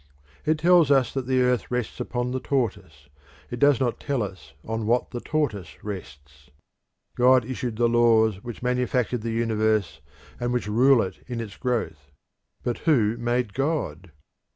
It tells us that the earth rests upon the tortoise: it does not tell us on what the tortoise rests. God issued the laws which manufactured the universe and which rule it in its growth. But who made God?